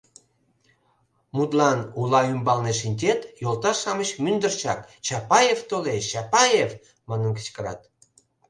— Мутлан: ула ӱмбалне шинчет, йолташ-шамыч мӱндырчак: «Чапаев толеш, Чапаев!..» — манын кычкырат.